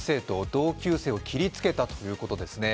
同級生を切りつけたということですね。